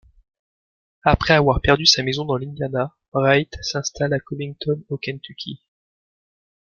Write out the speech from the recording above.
Après avoir perdu sa maison dans l'Indiana, Bright s'installe à Covington au Kentucky.